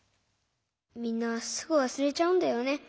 みんなすぐわすれちゃうんだよね。